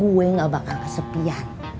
gue gak bakal kesepian